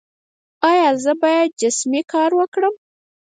ایا زه باید جسمي کار وکړم؟